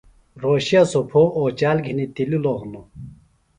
رھوشِیہ سوۡ پھو اوچال گھِنیۡ تِللوۡ ہنوۡ